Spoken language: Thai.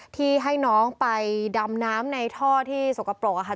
ที่ให้น้องไปดำน้ำในท่อที่สกปรกค่ะ